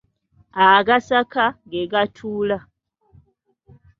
Agaasaaka, ge gattula.